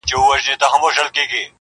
واه زرګر چناره دسروزرو منګوټي راغله,